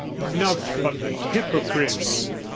Enough of the hypocrites.